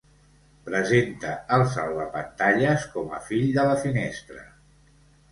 Presenta el salvapantalles com a fill de la finestra.